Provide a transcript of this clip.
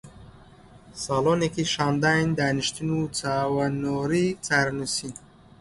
ساڵۆنێکی شان داین، دانیشتین و چاوەنۆڕی چارەنووسین